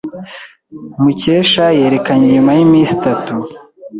Mukesha yerekanye nyuma yiminsi itatu.